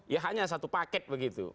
ya hanya satu paket begitu